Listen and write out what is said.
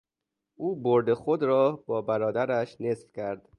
او برد خود را با برادرش نصف کرد.